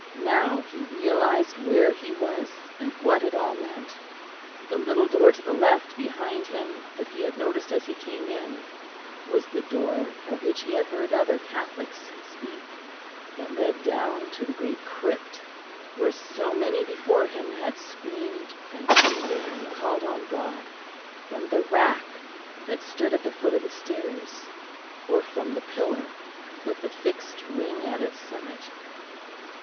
Now he realised where he was, and what it all meant. The little door to the left, behind him, that he had noticed as he came in, was the door of which he had heard other Catholics speak, that led down to the great crypt, where so many before him had screamed and fainted and called on God, from the rack that stood at the foot of the stairs, or from the pillar with the fixed ring at its summit.